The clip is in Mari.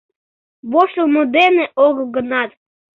Воштылмо дене огыл гынат...